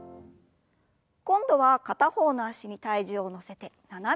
今度は片方の脚に体重を乗せて斜めに。